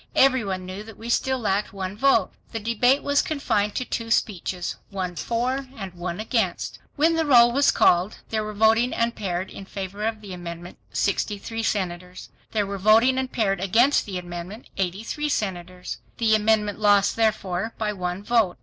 Every one knew that we still lacked one vote. The debate was confined to two speeches, one for and one against. When the roll was called, there were voting and paired in favor of the amendment, 63 senators; there were voting and paired against the amendment 83 senators. The amendment lost therefore, by one vote.